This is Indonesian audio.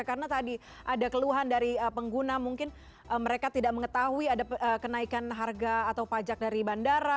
karena tadi ada keluhan dari pengguna mungkin mereka tidak mengetahui ada kenaikan harga atau pajak dari bandara